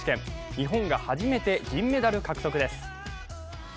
日本が初めて銀メダル獲得です。